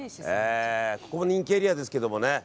ここ人気エリアですけどもね。